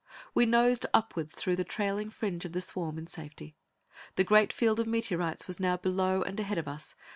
We nosed upward through the trailing fringe of the swarm in safety. The great field of meteorites was now below and ahead of us.